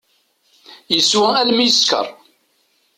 Yeswa almi yesker.